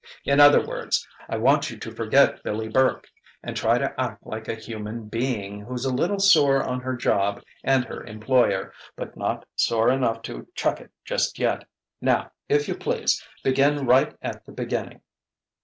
In other words, I want you to forget Billie Burke and try to act like a human being who's a little sore on her job and her employer, but not sore enough to chuck it just yet. Now, if you please begin right at the beginning."